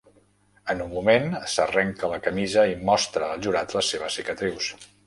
En un moment, es arrenca la camisa i Mostra al jurat les seves cicatrius.